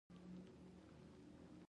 د ابریشم تنګی په کوم ځای کې دی؟